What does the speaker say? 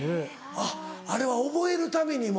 あっあれは覚えるためにも。